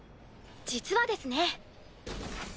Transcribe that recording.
実はですね。